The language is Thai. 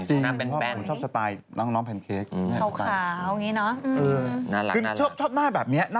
หน้าเป็นแป้นนี่